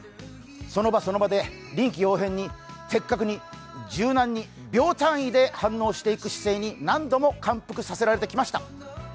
その場その場で臨機応変に的確に柔軟に秒単位で反応していく姿勢に何度も感服させられてきました。